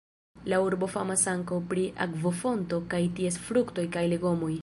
La urbo famas ankaŭ pri akvofonto kaj ties fruktoj kaj legomoj.